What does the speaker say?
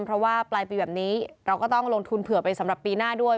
เพราะว่าปลายปีแบบนี้เราก็ต้องลงทุนเผื่อไปสำหรับปีหน้าด้วย